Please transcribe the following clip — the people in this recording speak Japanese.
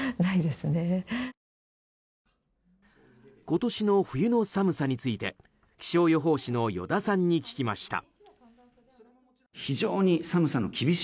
今年の冬の寒さについて気象予報士の依田さんに聞きました。